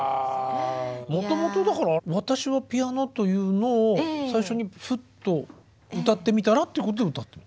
もともとだから「私はピアノ」というのを最初にふっと歌ってみたらっていうことで歌った？